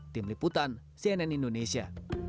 tim liputan cnn indonesia